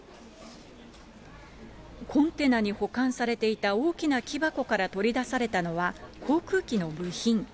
コンテナに保管されていた大きな木箱から取り出されたのは、航空機の部品。